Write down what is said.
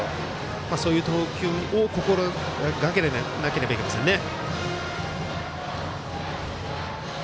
そういう投球を心がけなければいけませんね。